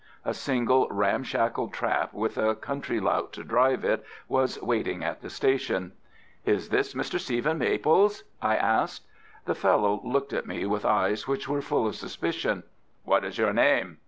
A single ramshackle trap, with a country lout to drive it, was waiting at the station. "Is this Mr. Stephen Maple's?" I asked. The fellow looked at me with eyes which were full of suspicion. "What is your name?"